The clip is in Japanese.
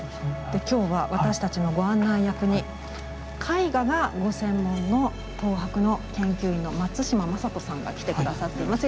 今日は私たちのご案内役に絵画がご専門の東博の研究員の松嶋雅人さんが来て下さっています。